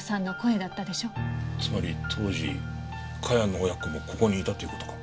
つまり当時茅野親子もここにいたっていう事か。